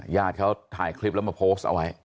ญาติเขาถ่ายคลิปแล้วมาโพสต์เอาไว้